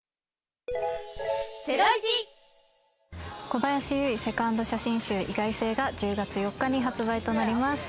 小林由依２ｎｄ写真集『意外性』が１０月４日に発売となります。